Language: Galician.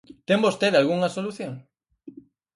¿Ten vostede algunha solución?